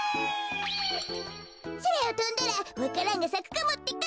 「そらをとんだらわか蘭がさくかもってか」